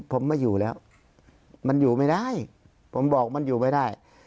ผมไม่อยู่แล้วมันอยู่ไม่ได้ผมบอกมันอยู่ไม่ได้